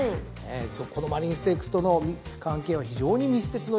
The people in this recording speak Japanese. このマリーンステークスとの関係は非常に密接のようで。